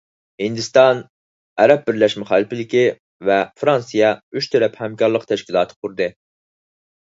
ھىندىستان، ئەرەب بىرلەشمە خەلىپىلىكى ۋە فىرانسىيە ئۈچ تەرەپ ھەمكارلىق تەشكىلاتى قۇردى.